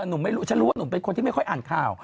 อันนั้นไม่รู้ฉันรู้ว่าหนูเป็นคนที่ไม่ค่อยอ่านข่าว